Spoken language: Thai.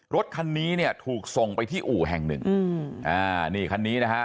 รถคันนี้ถูกส่งไปที่อู่แห่งหนึ่งนี่คันนี้นะฮะ